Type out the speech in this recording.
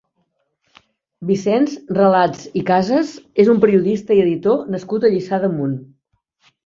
Vicenç Relats i Casas és un periodista i editor nascut a Lliçà d'Amunt.